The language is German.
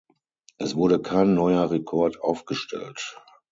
Es wurde kein neuer Rekord aufgestellt.